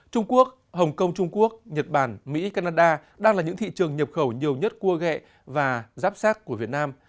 trung quốc hồng kông trung quốc nhật bản mỹ canada đang là những thị trường nhập khẩu nhiều nhất cua gẹ và giáp sác của việt nam